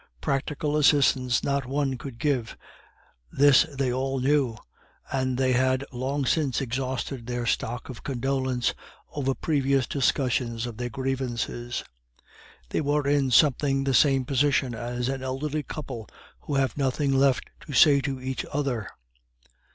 Practical assistance not one could give, this they all knew, and they had long since exhausted their stock of condolence over previous discussions of their grievances. They were in something the same position as an elderly couple who have nothing left to say to each other.